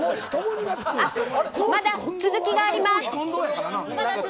まだ続きがあります。